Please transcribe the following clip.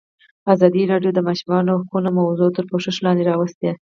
ازادي راډیو د د ماشومانو حقونه موضوع تر پوښښ لاندې راوستې.